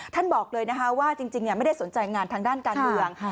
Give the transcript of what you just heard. บอกเลยนะคะว่าจริงไม่ได้สนใจงานทางด้านการเมือง